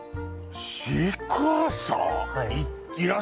シークヮーサー！？